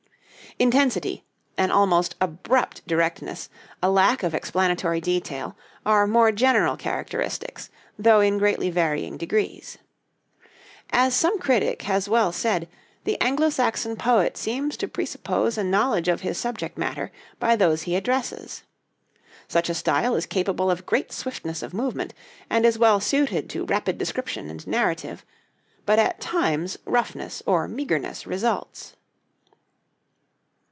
Intensity, an almost abrupt directness, a lack of explanatory detail, are more general characteristics, though in greatly varying degrees. As some critic has well said, the Anglo Saxon poet seems to presuppose a knowledge of his subject matter by those he addresses. Such a style is capable of great swiftness of movement, and is well suited to rapid description and narrative; but at times roughness or meagreness results.